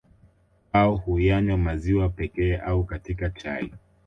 Wao huyanywa maziwa pekee au katika chai